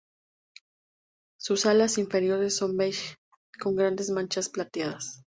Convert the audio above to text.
Sus alas inferiores son beige, con grandes manchas plateadas.